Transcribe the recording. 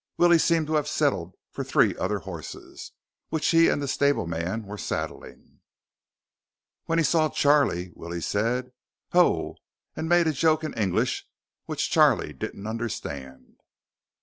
Willie seemed to have settled for three other horses, which he and the stableman were saddling. When he saw Charlie, Willie said, "Ho!" and made a joke in English which Charlie didn't understand.